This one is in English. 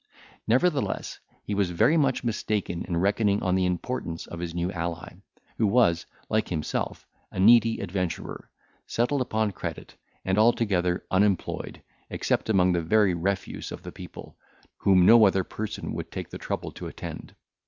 Nevertheless, he was very much mistaken in reckoning on the importance of his new ally, who was, like himself, a needy adventurer, settled upon credit, and altogether unemployed, except among the very refuse of the people, whom no other person would take the trouble to attend.